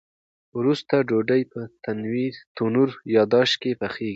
وروسته ډوډۍ په تنور یا داش کې پخیږي.